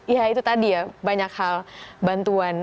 ya itu tadi ya banyak hal bantuan